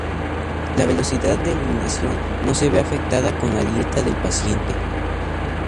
La velocidad de eliminación no se ve afectada con la dieta del paciente.